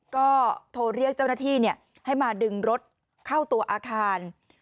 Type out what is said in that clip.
ก็โทรเรียกเจ้าหน้าที่ให้มาดึงรถเข้าตัวอาคาร